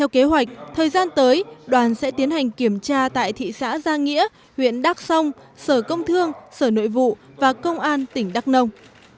kiểm tra tại thị xã giang nghĩa huyện đắc sông sở công thương sở nội vụ và công an tỉnh đắc nông